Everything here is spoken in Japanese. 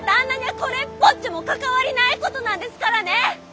これっぽっちも関わりないことなんですからね！